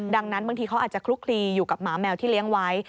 ดังนั้นบางทีเขาอาจจะคลุกคลีอยู่กับหมาแมวที่เลี้ยงไว้